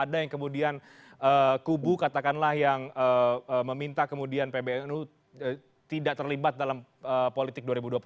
ada yang kemudian kubu katakanlah yang meminta kemudian pbnu tidak terlibat dalam politik dua ribu dua puluh empat